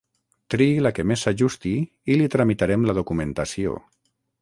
Triï la que més s'ajusti i li tramitarem la documentació.